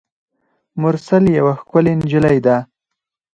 مرسل یوه ښکلي نجلۍ ده.